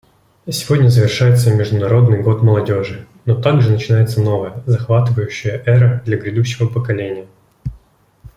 Сегодня завершается Международный год молодежи, но также начинается новая, захватывающая эра для грядущего поколения.